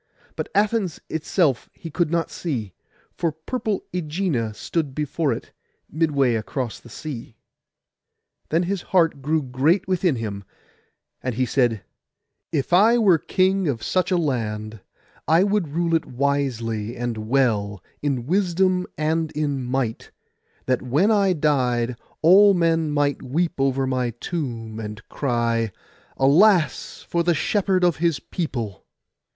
But Athens itself he could not see, for purple Ægina stood before it, midway across the sea. Then his heart grew great within him, and he said, 'If I were king of such a land I would rule it wisely and well in wisdom and in might, that when I died all men might weep over my tomb, and cry, "Alas for the shepherd of his people!"